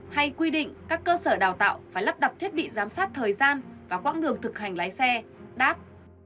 hay quy định các cơ sở đào tạo phải lắp đặt thiết bị giám sát thời gian và quãng đường thực hành lái xe đáp